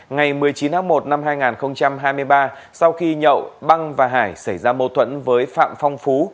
ngày một mươi chín tháng một năm hai nghìn hai mươi ba sau khi nhậu băng và hải xảy ra mâu thuẫn với phạm phong phú